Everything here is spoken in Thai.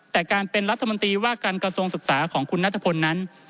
แต่การเป็นรัฐมนตรีว่าการกระทรวงศึกษาของคุณนัทพลนั้น